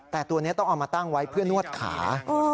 แต่ตัวนี้ต้องเอามาตั้งไว้เพื่อนวดขา